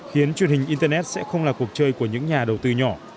khiến truyền hình internet sẽ không là cuộc chơi của những nhà đầu tư nhỏ